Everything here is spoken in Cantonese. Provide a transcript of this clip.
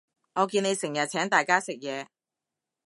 我見你成日請大家食嘢